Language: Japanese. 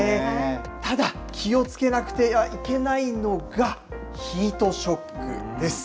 ただ、気をつけなくてはいけないのが、ヒートショックです。